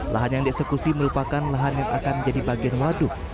lahan yang dieksekusi merupakan lahan yang akan menjadi bagian waduk